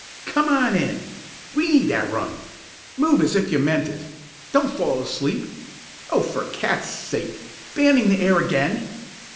"Come on in! We need that run! Move as if you meant it! Don't fall asleep! Oh, for cats' sake, fanning the air again?